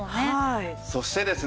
そしてですね